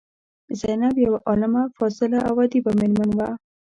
زینب یوه عالمه، فاضله او ادیبه میرمن وه.